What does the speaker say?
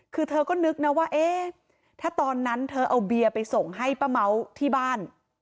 คือเธอก็นึกนะว่าเอ๊ะถ้าตอนนั้นเธอเอาเบียร์ไปส่งให้ป้าเม้าที่บ้าน